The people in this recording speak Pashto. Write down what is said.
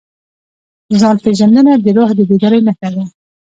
ځان پېژندنه د روح د بیدارۍ نښه ده.